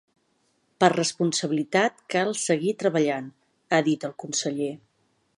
“Per responsabilitat cal seguir treballant”, ha dit el conseller.